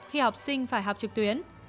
khi học sinh phải học trực tuyến